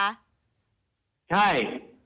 ใช่